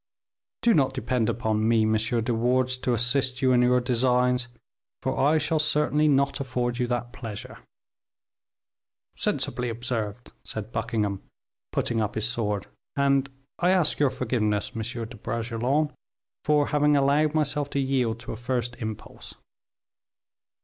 Do not depend upon me, M. de Wardes to assist you in your designs, for I shall certainly not afford you that pleasure." "Sensibly observed," said Buckingham, putting up his sword, "and I ask your forgiveness, M. de Bragelonne, for having allowed myself to yield to a first impulse."